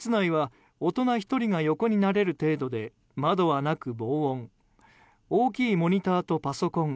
室内は大人１人が横になれる程度で窓はなく防音大きいモニターとパソコン。